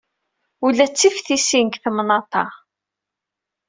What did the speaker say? Ula tiftisin deg temnaḍt-a.